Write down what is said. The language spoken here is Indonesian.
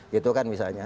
gitu kan misalnya